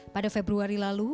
pada februari lalu